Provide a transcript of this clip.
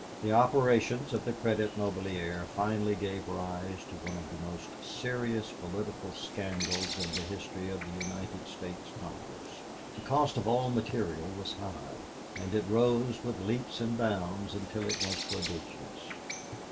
The operations of the Credit Mobilier finally gave rise to one of the most serious political scandals in the history of the United States Congress. The cost of all material was high, and it rose with leaps and bounds until it was prodigious.